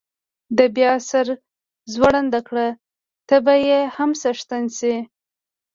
ده بیا سر ځوړند کړ، ته به یې هم څښتن شې.